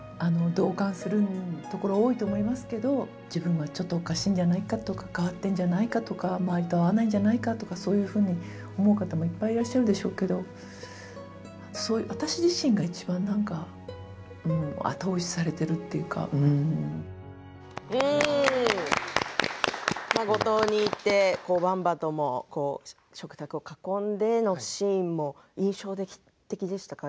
自分はちょっとおかしいんじゃないかとか変わってんじゃないかとか周りと合わないんじゃないかとかそういうふうに思う方もいっぱいいらっしゃるでしょうけど五島に行って、ばんばとも食卓を囲んでのシーンも印象的でしたか？